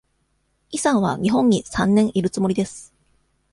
イさんは日本に三年いるつもりです。